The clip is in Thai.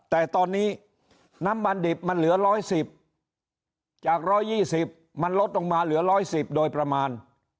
แต่ตอนนี้น้ำมันดิบมันเหลือ๑๑๐จาก๑๒๐มันลดลงมาเหลือ๑๑๐โดยประมาณ